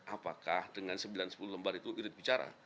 apakah dengan sembilan sepuluh lembar itu irit bicara